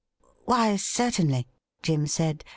' Why, certainly,' Jim said.